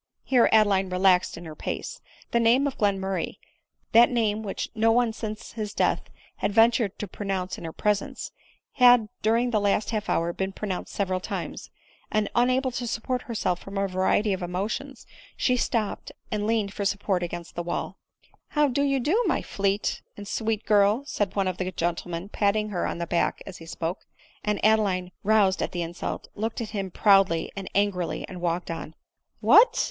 Here Adeline relaxed in her pace ; the name of Glen murray — that name which no one since his death had ventured to pronounce in her presence — had, during the »r .;_ II I i i|| pin n i m^' ' i »— c^ ^rr r .^^^ T' % z 't i ■ i t n ■ mm w^^^mr^m ADEUNE MOWBRAY. 213 last half hour, been pronounced several times ; and, una ble to support herself from a variety of emotions, she stopped, and leaned for support against the wall. " How do you do, my fleet and sweet girl ?" said one of the gentlemen, patting her on the back as he spoke ; and Adeline, roused at the insult, looked at him proudly and angrily, and walked on. " What